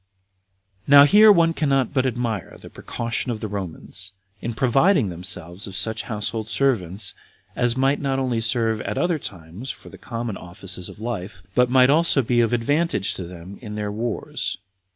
1. Now here one cannot but admire at the precaution of the Romans, in providing themselves of such household servants, as might not only serve at other times for the common offices of life, but might also be of advantage to them in their wars.